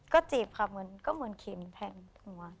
ก็ติดก็เหมือนแข็งแฮ็ม